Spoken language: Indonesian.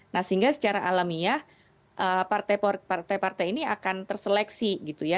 nah sehingga secara alamiah partai partai ini akan terseleksi gitu ya